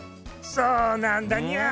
そうなんだニャ。